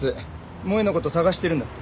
萌絵の事捜してるんだって。